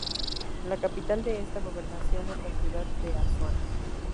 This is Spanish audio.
La capital de esta gobernación es la ciudad de Asuán.